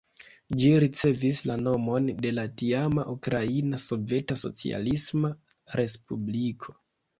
Ĝi ricevis la nomon de la tiama Ukraina Soveta Socialisma Respubliko.